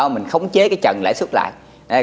mình khống chế cái trần lãi suất lại